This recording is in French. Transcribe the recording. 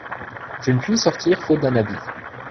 Je ne puis sortir faute d’un habit.